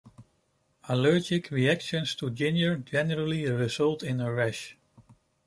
Allergic reactions to ginger generally result in a rash.